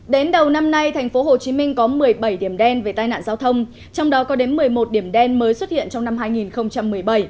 đến đầu năm nay tp hcm có một mươi bảy điểm đen về tai nạn giao thông trong đó có đến một mươi một điểm đen mới xuất hiện trong năm hai nghìn một mươi bảy